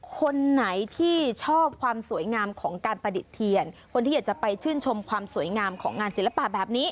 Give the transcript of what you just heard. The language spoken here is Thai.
คนไหนที่ชอบความสวยงามของการประดิษฐ์เทียนคนที่อยากจะไปชื่นชมความสวยงามของงานศิลปะแบบนี้